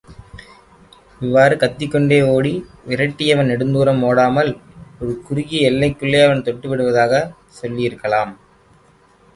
இவ்வாறு கத்திக்கொண்டே ஓடி விரட்டியவன் நெடுந்துாரம் ஓடாமல், ஒரு குறுகிய எல்லைக்குள்ளே அவனைத் தொட்டுவிடுவதாக சொல்லியிருக்கலாம்.